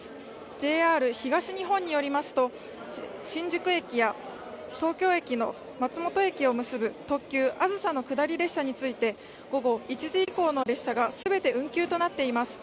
ＪＲ東日本によりますと、新宿駅や東京駅と松本駅を結ぶ特急あずさの下り列車について午後１時以降の列車が全て運休となっています。